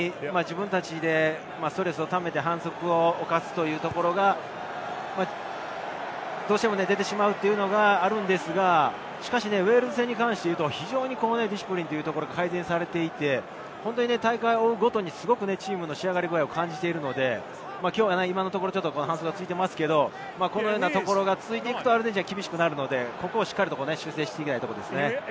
アルゼンチンは自分たちでストレスを溜めて反則を犯すというところが、どうしても出てしまうというのがあるのですが、ウェールズ戦に関して言うと、非常にディシプリンが改善されていて、大会を追うごとにチームの仕上がり具合を感じているので、きょうは今のところ反則が続いていますけれど、これが続いていくと、アルゼンチンは厳しくなるので修正していきたいところですね。